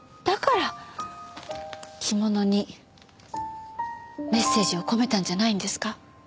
だから着物にメッセージを込めたんじゃないんですか？